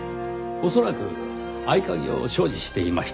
恐らく合鍵を所持していました。